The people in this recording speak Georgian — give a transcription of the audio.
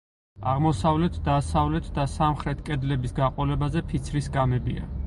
აღმოსავლეთ, დასავლეთ და სამხრეთ კედლების გაყოლებაზე ფიცრის სკამებია.